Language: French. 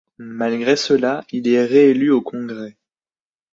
Malgré cela, il est réélu au Congrès.